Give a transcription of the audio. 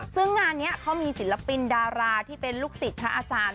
ซึ่งงานนี้เขามีศิลปินดาราที่เป็นลูกศิษย์พระอาจารย์